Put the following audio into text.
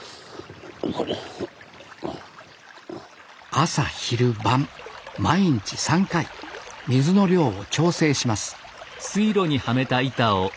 朝昼晩毎日３回水の量を調整します